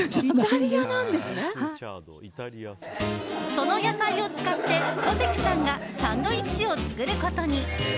その野菜を使って小関さんがサンドイッチを作ることに。